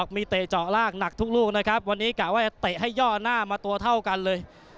มีเตะเจาะล่างหนักทุกลูกนะครับวันนี้กะว่าจะเตะให้ย่อหน้ามาตัวเท่ากันเลย